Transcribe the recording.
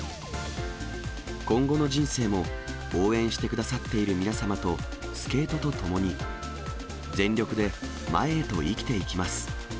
今後の人生も、応援してくださっている皆様とスケートと共に、全力で、前へと生きていきます。